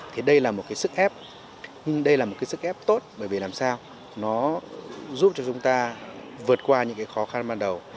thì đây là một cái sức ép đây là một cái sức ép tốt bởi vì làm sao nó giúp cho chúng ta vượt qua những cái khó khăn ban đầu